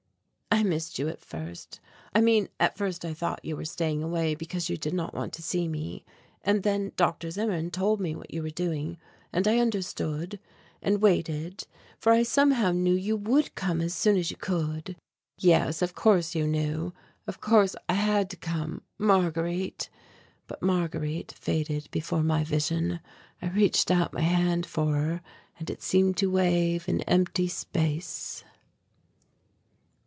"I missed you at first, I mean at first I thought you were staying away because you did not want to see me, and then Dr. Zimmern told me what you were doing, and I understood and waited, for I somehow knew you would come as soon as you could." "Yes, of course you knew. Of course, I had to come Marguerite " But Marguerite faded before my vision. I reached out my hand for her and it seemed to wave in empty space....